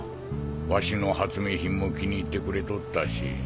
わしの発明品も気に入ってくれとったし。